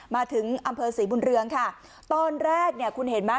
มาถึงอำเภอศรีบุญเรืองค่ะตอนแรกเนี่ยคุณเห็นไหม